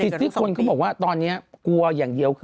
ที่คนเขาบอกว่าตอนนี้กลัวอย่างเดียวคือ